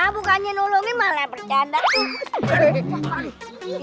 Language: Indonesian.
bukannya nolongin malah bercanda tuh